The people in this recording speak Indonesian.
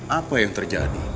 apa yang terjadi